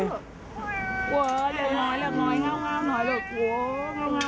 เรียกลูกค้าหน่อยเรียกลูกค้าหน่อย